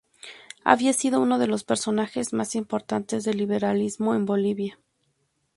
Había sido uno de los personajes más importantes del liberalismo en Bolivia.